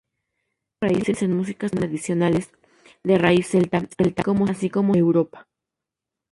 Teniendo raíces en músicas tradicionales, de raíz celta, así como centro-europea.